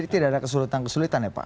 jadi tidak ada kesulitan kesulitan ya pak